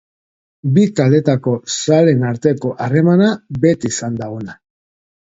Bi taldeetako zaleen arteko harremana beti izan da ona.